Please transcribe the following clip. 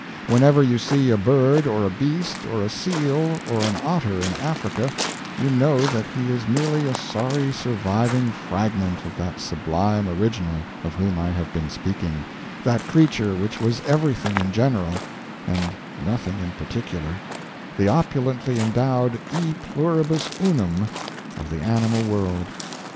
Whenever you see a bird or a beast or a seal or an otter in Africa you know that he is merely a sorry surviving fragment of that sublime original of whom I have been speaking that creature which was everything in general and nothing in particular the opulently endowed 'e pluribus unum' of the animal world.